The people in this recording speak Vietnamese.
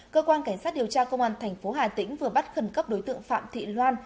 cơ quan cảnh sát điều tra công an thành phố hà tĩnh vừa bắt khẩn cấp đối tượng phạm thị loan